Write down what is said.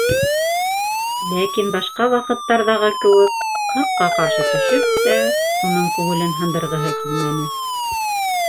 Ләкин башҡа ваҡыттарҙағы кеүек, ҡырҡа ҡаршы төшөп тә, уның күңелен һындырғыһы килмәне.